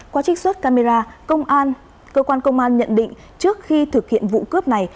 qua trích xuất camera cơ quan công an nhận định trước khi thực hiện vụ cướp này